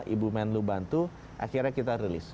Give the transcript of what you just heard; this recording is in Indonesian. ibu menlu bantu akhirnya kita rilis